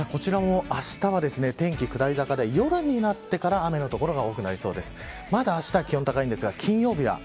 こちらもあしたは天気下り坂で夜になってから雨の所が多くなりそうです。